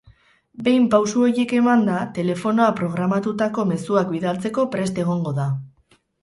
Behin pausu horiek emanda, telefonoa programatutako mezuak bidaltzeko prest egongo da.